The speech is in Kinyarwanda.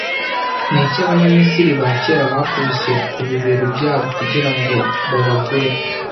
Ni iki Abanyamisiri ba kera bakubise ku bibero byabo kugira ngo babagure